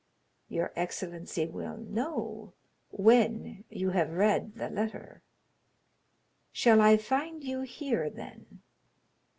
"Your excellency will know when you have read the letter." "Shall I find you here, then?"